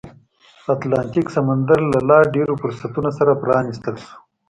اتلانتیک سمندر له لا ډېرو فرصتونو سره پرانیستل شو.